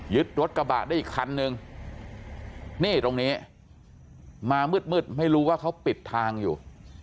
รถกระบะได้อีกคันนึงนี่ตรงนี้มามืดไม่รู้ว่าเขาปิดทางอยู่